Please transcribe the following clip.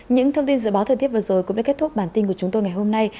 những thông tin dự báo thời tiết vừa rồi cũng đã kết thúc bản tin của chúng tôi ngày hôm nay